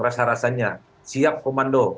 rasa rasanya siap komando